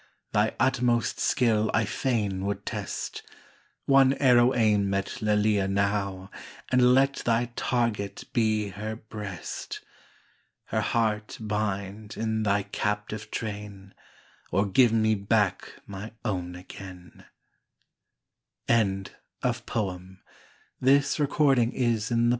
Thy utmost skill I fain would test ; One arrow aim at Lelia now, And let thy target be her breast ! Her heart bind in thy captive train, Or give me back my own again 1 THE DREAM OF LOVE.